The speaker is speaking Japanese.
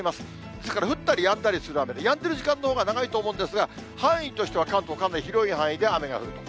それから降ったりやんだりする雨で、やんでる時間のほうが長いと思うんですが、範囲としては、関東かなり広い範囲で雨が降ると。